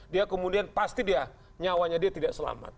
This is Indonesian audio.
dia kemudian pasti dia nyawanya dia tidak selamat